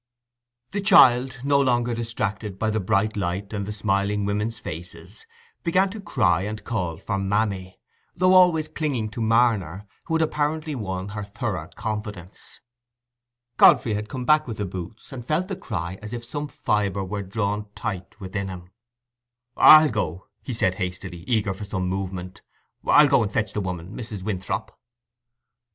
The child, no longer distracted by the bright light and the smiling women's faces, began to cry and call for "mammy", though always clinging to Marner, who had apparently won her thorough confidence. Godfrey had come back with the boots, and felt the cry as if some fibre were drawn tight within him. "I'll go," he said, hastily, eager for some movement; "I'll go and fetch the woman—Mrs. Winthrop."